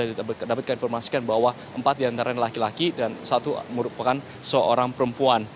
kita dapatkan informasikan bahwa empat diantara laki laki dan satu merupakan seorang perempuan